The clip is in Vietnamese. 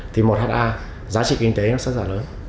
thì một ha giá trị kinh tế nó sẽ lớn